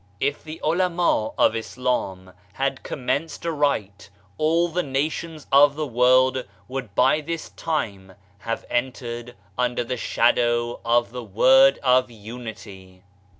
If the ulama of Islam had commenced aright, all the nations of the world would by this time have entered under the shadow of the Word of Unity.